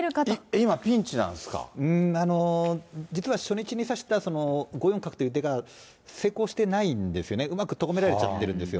今、あの、実は初日に指した５四角という手が成功してないんですよね、うまく止められちゃってるんですよ。